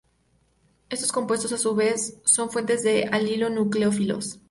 Estos compuestos, a su vez son fuentes de alilo nucleófilos.